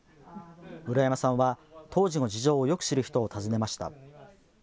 村山さんは当時の事情をよく知る人を訪ねました。